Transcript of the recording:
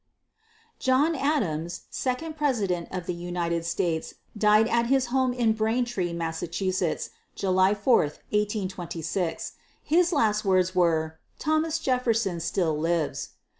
John Adams, second President of the United States, died at his home in Braintree, Mass., July 4, 1826. His last words were, "Thomas Jefferson still lives."